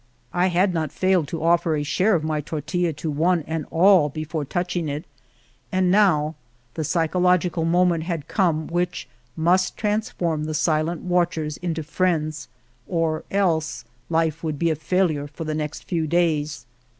I had not failed to offer a share of my tortilla to one and all before touching it, and now the psychological moment had come which must transform the silent watchers in to friends, or else life would be a failure for the next few days.